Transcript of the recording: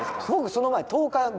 僕その前１０日